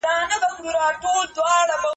شتمن د نورو له کار څخه ګټه پورته کوي.